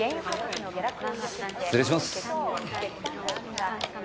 失礼します。